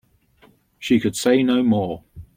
She could say no more.